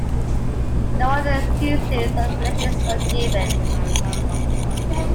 No other excuses or explanations were given.